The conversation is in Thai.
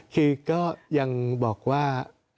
คือก็ยังบอกว่า